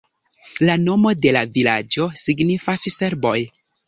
La nomo de la vilaĝo signifas "serboj".